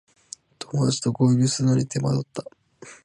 友だちと合流するのに手間取った